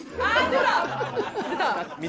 出た！